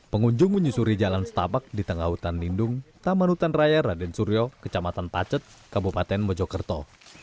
pengunjung menyusuri jalan setabak di tengah hutan lindung taman hutan raya raden suryo kecamatan pacet kabupaten mojokerto